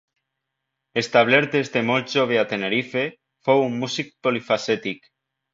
Establert des de molt jove a Tenerife, fou un músic polifacètic.